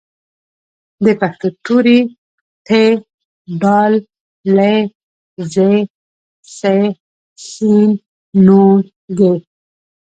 د پښتو توري: ټ، ډ، ړ، ځ، څ، ښ، ڼ، ږ